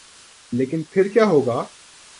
لیکن پھر کیا ہو گا؟